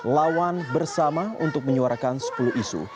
lawan bersama untuk menyuarakan sepuluh isu